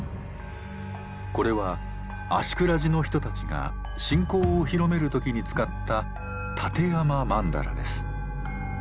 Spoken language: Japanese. これは芦峅寺の人たちが信仰を広める時に使った立山曼荼羅です。